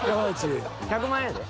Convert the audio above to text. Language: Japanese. １００万円やで。